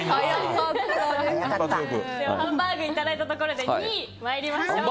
ハンバーグいただいたところで２位に参りましょう。